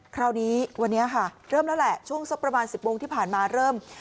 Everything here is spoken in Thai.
คราวนี้วันนี้ค่ะเริ่มแล้วแหละช่วงสักประมาณ๑๐โมงที่ผ่านมาเริ่ม